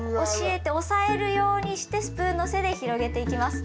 押さえるようにしてスプーンの背で広げていきます。